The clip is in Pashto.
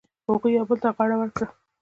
هغوی یو بل ته غاړه ورکړه.